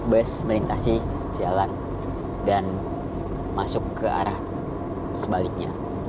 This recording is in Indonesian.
bus melintasi jalan dan masuk ke arah sebaliknya